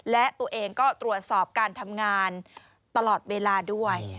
และตัวเองก็ตรวจสอบการทำงานตลอดเวลาด้วย